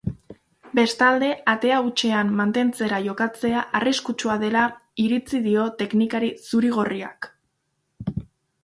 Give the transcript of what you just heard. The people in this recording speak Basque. Bestalde, atea hutsean mantentzera jokatzea arriskutsua dela iritzi dio teknikari zuri-gorriak.